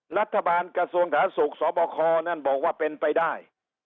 รัฐบาลกระทรวงฐาศูกย์สวบคนั่นบอกว่าเป็นไปได้